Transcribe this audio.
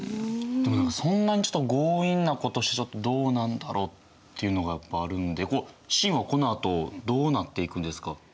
でもそんなに強引なことしちゃってどうなんだろうっていうのがやっぱあるんで秦はこのあとどうなっていくんですか？